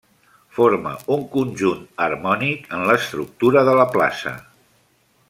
Forma un conjunt harmònic en l'estructura de la plaça.